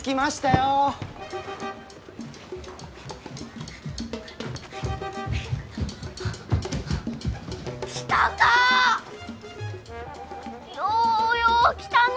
ようよう来たのう！